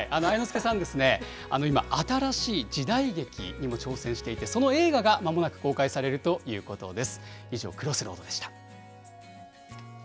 愛之助さんですね、今、新しい時代劇にも挑戦していて、その映画がまもなく公開されるということです。